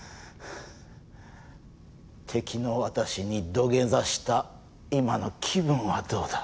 敵の私に土下座した今の気分はどうだ？